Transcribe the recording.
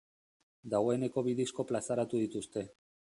Dagoeneko bi disko plazaratu dituzte.